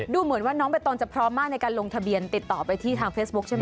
ดูเหมือนว่าน้องใบตองจะพร้อมมากในการลงทะเบียนติดต่อไปที่ทางเฟซบุ๊คใช่ไหม